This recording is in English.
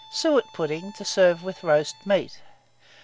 SUET PUDDING, to serve with Roast Meat.